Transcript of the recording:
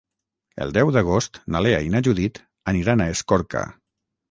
El deu d'agost na Lea i na Judit aniran a Escorca.